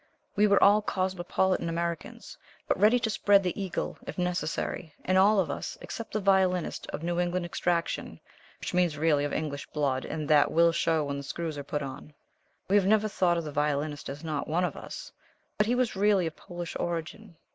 We were all Cosmopolitan Americans, but ready to spread the Eagle, if necessary, and all of us, except the Violinist, of New England extraction, which means really of English blood, and that will show when the screws are put on. We had never thought of the Violinist as not one of us, but he was really of Polish origin.